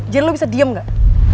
jel lo bisa diem gak